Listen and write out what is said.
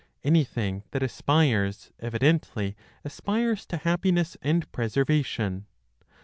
Anything that aspires evidently aspires to happiness and preservation.